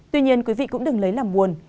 tuy nhiên quý vị cũng đừng lấy làm buồn